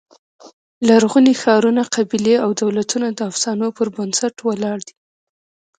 لرغوني ښارونه، قبیلې او دولتونه د افسانو پر بنسټ ولاړ دي.